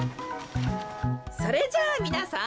それじゃあみなさん